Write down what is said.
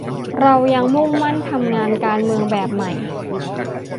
เรายังมุ่งมั่นทำงานการเมืองแบบใหม่